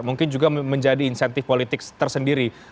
mungkin juga menjadi insentif politik tersendiri